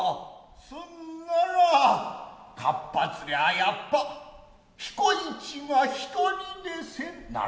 すんならかっぱ釣りはやっぱ彦市が一人でせんならんたい。